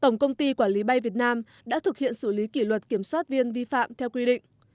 tổng công ty quản lý bay việt nam đã thực hiện xử lý kỷ luật kiểm soát viên vi phạm theo quy định